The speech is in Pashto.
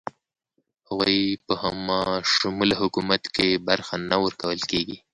هغوی په همه شموله حکومت کې برخه نه ورکول کیږي.